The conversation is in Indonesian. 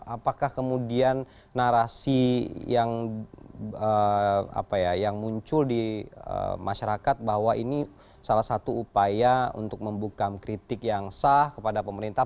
apakah kemudian narasi yang muncul di masyarakat bahwa ini salah satu upaya untuk membuka kritik yang sah kepada pemerintah